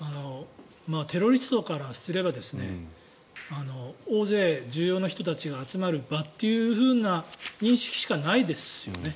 テロリストからすれば大勢重要な人たちが集まる場というふうな意識しかないですよね。